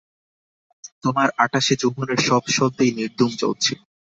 তোমার আটাশে যৌবনের সব সলতেই নির্ধূম জ্বলছে।